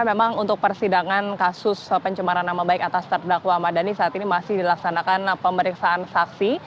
memang untuk persidangan kasus pencemaran nama baik atas terdakwa ahmad dhani saat ini masih dilaksanakan pemeriksaan saksi